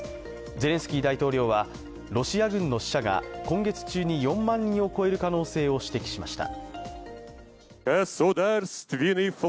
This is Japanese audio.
ゼレンスキー大統領はロシア軍の死者が今月中に４万人を超える可能性を指摘しました。